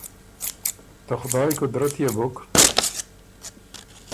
ته خدایٛ قدرت يې بُک